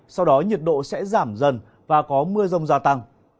sau đó nhiệt độ sẽ giảm dần và có mưa rông gia tăng